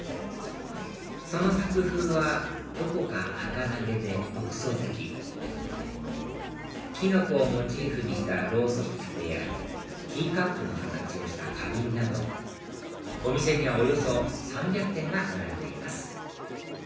その作風はどこかはかなげで独創的キノコをモチーフにしたろうそく立てやティーカップの形をした花瓶などお店にはおよそ３００点が並んでいます